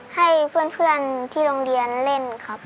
ให้เพื่อนที่โรงเรียนเล่นครับ